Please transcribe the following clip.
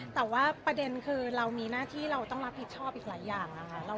แต่ว่าประเด็นคือเรามีหน้าที่เราต้องรับผิดชอบอีกหลายอย่างนะคะ